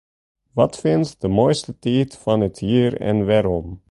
Wat fynst de moaiste tiid fan it jier en wêrom?